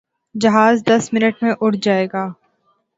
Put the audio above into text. جہاز دس منٹ میں اڑ جائے گا۔